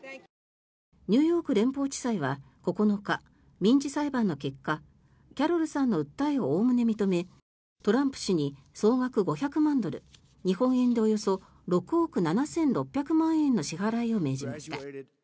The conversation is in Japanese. ニューヨーク連邦地裁は９日民事裁判の結果キャロルさんの訴えをおおむね認めトランプ氏に総額５００万ドル日本円でおよそ６億７６００万円の支払いを命じました。